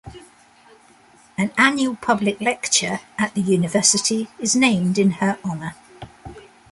An annual public lecture at the University is named in her honour.